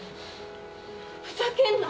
ふざけんな！